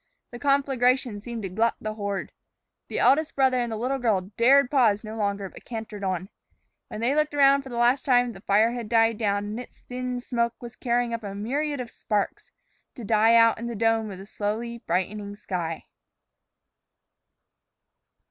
The conflagration seemed to glut the horde. The eldest brother and the little girl dared pause no longer, but cantered on. When they looked around for the last time, the fire had died down, and its thin smoke was carrying up a myriad sparks, to die out in the dome of the slowly brightening sky.